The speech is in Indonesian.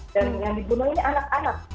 dan yang dibunuh ini anak anak